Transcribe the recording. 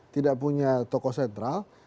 tidak punya tokoh sentral